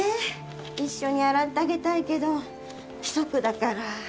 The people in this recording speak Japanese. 一緒に洗ってあげたいけど規則だから。